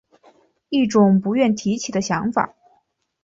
一种不愿提起的想法